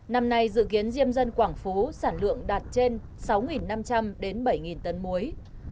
năm nay dự kiến diêm dân quảng phú sản lượng đạt trên sáu năm trăm linh đến bảy tấn muối